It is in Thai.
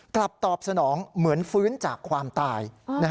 ตอบสนองเหมือนฟื้นจากความตาย